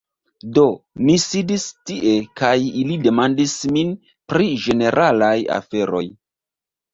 Do, ni sidis tie kaj ili demandis min pri ĝeneralaj aferoj